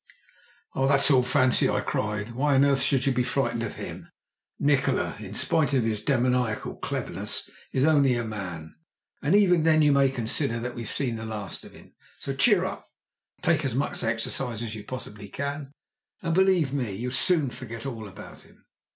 "Oh, that's all fancy!" I cried. "Why on earth should you be frightened of him? Nikola, in spite of his demoniacal cleverness, is only a man, and even then you may consider that we've seen the last of him. So cheer up, take as much exercise as you possibly can, and believe me, you'll soon forget all about him."